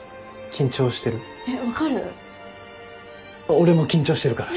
俺も緊張してるから。